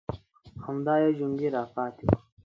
_همدا يو جونګۍ راپاتې و.